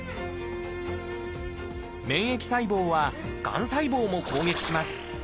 免疫細胞はがん細胞も攻撃します。